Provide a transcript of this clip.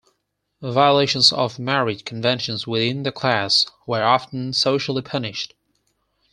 Violations of marriage conventions within the class were often socially punished.